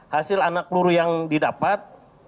hasil anak peluru yang didapat